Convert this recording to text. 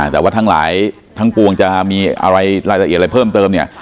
แต่ว่าทั้งหลายทั้งปวงจะมีอะไรรายละเอียดอะไรเพิ่มเติมเนี่ย